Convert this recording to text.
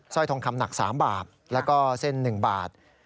ร้อยทองคำหนัก๓บาทแล้วก็เส้น๑บาท